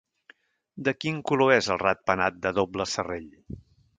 De quin color és el ratpenat de doble serrell?